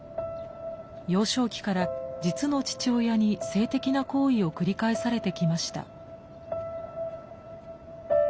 幼少期から実の父親に性的な行為を繰り返されてきました。